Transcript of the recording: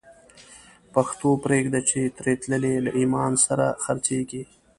پښتو پریږده چی تری تللی، له ایمان سره خرڅیږی